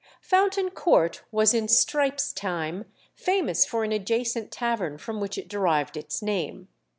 Fountain Court was in Strype's time famous for an adjacent tavern from which it derived its name.